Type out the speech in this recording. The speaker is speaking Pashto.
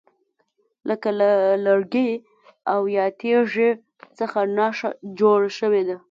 لکه له لرګي او یا تیږي څخه نښه جوړه شوې ده.